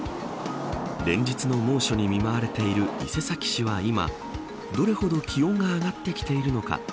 連日の猛暑に見舞われている伊勢崎市は今どれほど気温が上がってきているのか。